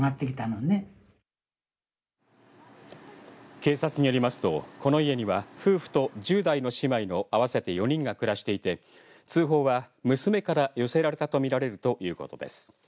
警察によりますとこの家には夫婦と１０代の姉妹の合わせて４人が暮らしていて通報は娘から寄せられたとみられるということです。